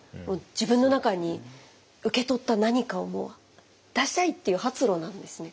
自分の中に受け取った何かをもう出したい！っていう発露なんですね。